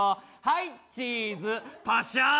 はいチーズパシャ